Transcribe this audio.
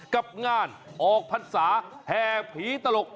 กับงานออกภาษาแห่ผีปลลลก